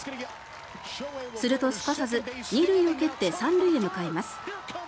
すると、すかさず２塁を蹴って３塁へ向かいます。